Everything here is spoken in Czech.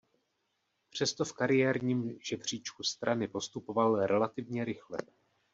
Přesto v kariérním žebříčku strany postupoval relativně rychle.